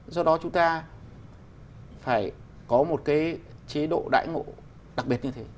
do đó chúng ta phải có một cái chế độ đại ngộ đặc biệt như thế